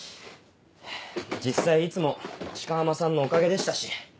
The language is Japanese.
実際いつも鹿浜さんのおかげでしたし。